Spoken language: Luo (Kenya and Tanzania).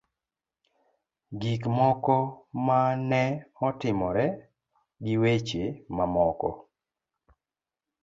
Gik moko ma ne otimore gi weche mamoko.